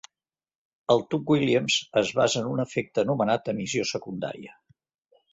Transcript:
El tub Williams es basa en un efecte anomenat emissió secundària.